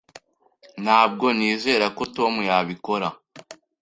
Ntabwo nizera ko Tom yabikora.